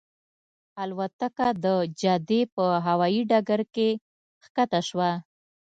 الوتکه د جدې په هوایي ډګر کې ښکته شوه.